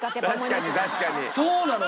そうなの！